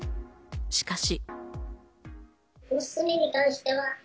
しかし。